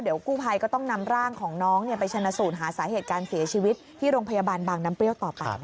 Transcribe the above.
เดี๋ยวกู้ภัยก็ต้องนำร่างของน้องไปชนะสูตรหาสาเหตุการเสียชีวิตที่โรงพยาบาลบางน้ำเปรี้ยวต่อไป